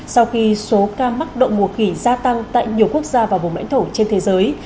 sau khi số ca mắc đậu mùa khỉ gia tăng tại nhiều quốc gia và vùng lãnh thổ trên thế giới